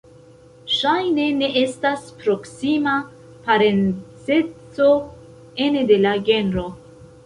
Ŝajne ne estas proksima parenceco ene de la genro.